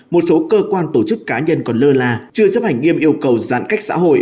một số cơ quan tổ chức cá nhân còn lơ là chưa chấp hành nghiêm yêu cầu giãn cách xã hội